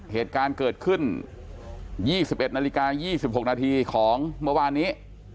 เหตุการณ์เกิดขึ้น๒๑นาฬิกา๒๖นาทีของเมื่อวานนี้